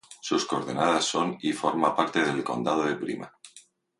Sus coordenadas son y forma parte del Condado de Pima.